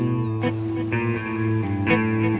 masak uang makanan buah